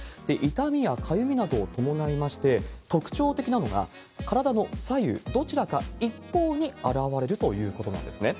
痛みやかゆみなどを伴いまして、特徴的なのが、体の左右どちらか一方に現れるということなんですね。